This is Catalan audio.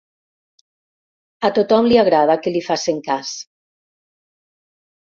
A tothom li agrada que li facin cas.